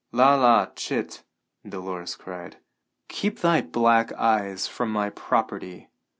"La la, chit!" Dolores cried; "keep thy black eyes from my property."